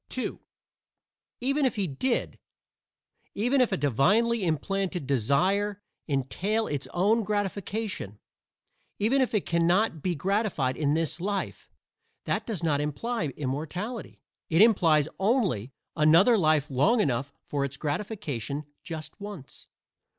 (2) Even if he did even if a divinely implanted desire entail its own gratification even if it cannot be gratified in this life that does not imply immortality. It implies only another life long enough for its gratification just once.